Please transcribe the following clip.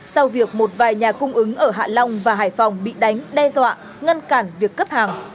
sau việc một vài nhà cung ứng ở hạ long và hải phòng bị đánh đe dọa ngăn cản việc cấp hàng